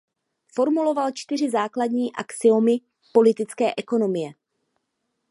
Formuloval čtyři základní axiomy politické ekonomie.